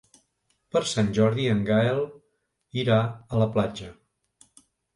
Per Sant Jordi en Gaël irà a la platja.